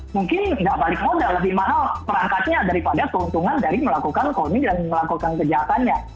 mungkin nggak balik modal lebih mahal perangkatnya daripada keuntungan dari melakukan koni dan melakukan kejahatannya